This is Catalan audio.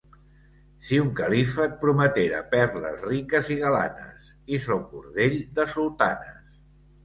Si un califa et prometera perles riques i galanes, i son bordell de sultanes